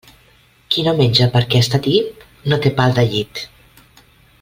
Qui no menja perquè està tip, no té pal de llit.